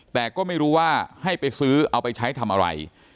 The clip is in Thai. แต่ก็ไม่รู้ว่าให้ไปซื้อเอาไปใช้ทำอะไร